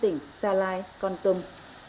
tỉnh gia lai con tâm